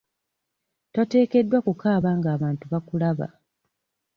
Toteekeddwa kukaaba ng'abantu bakulaba.